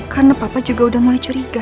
karena papa juga udah mulai curiga